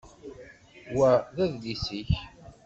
Wa d adlis-ik?